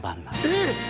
えっ？